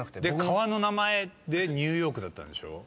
川の名前で「ニューヨーク」だったんでしょ？